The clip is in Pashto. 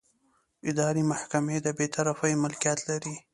اداري محکمې د بېطرفۍ مکلفیت لري.